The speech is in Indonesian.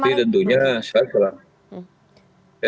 tapi tentunya saya telah